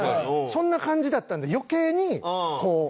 そんな感じだったんで余計にこう。